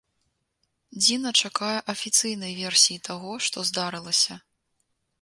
Дзіна чакае афіцыйнай версіі таго, што здарылася.